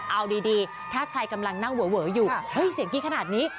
เอาดีถ้าใครกำลังนั่งเวออยู่เฮ้ยเสียงกรี๊ดขนาดนี้